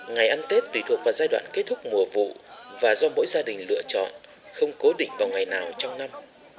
ngày ăn tết tùy thuộc vào giai đoạn kết thúc mùa vụ và do mỗi gia đình lựa chọn không cố định vào ngày nào trong năm